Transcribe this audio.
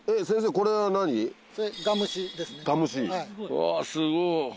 うわすごい。